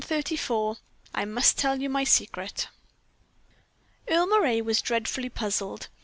CHAPTER XXXV. "I MUST TELL YOU MY SECRET." Earle Moray was dreadfully puzzled.